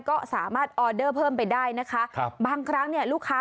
ก็สามารถออเดอร์เพิ่มไปได้นะคะครับบางครั้งเนี่ยลูกค้า